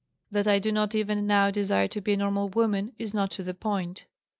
That I do not even now desire to be a normal woman is not to the point.